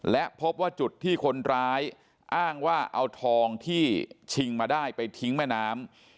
และพบว่าจุดที่คนร้ายอ้างว่าเอาทองที่ชิงมาได้ไปทิ้งแม่น้ำ